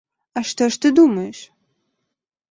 А што ж ты думаеш?